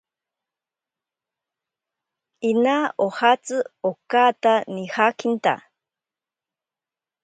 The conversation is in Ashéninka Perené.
Inaa ojatsi okaata nijakinta.